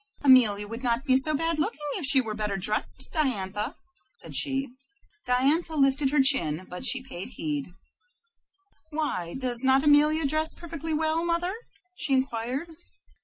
"Amelia would not be so bad looking if she were better dressed, Diantha," said she. Diantha lifted her chin, but she paid heed. "Why, does not Amelia dress perfectly well, mother?" she inquired.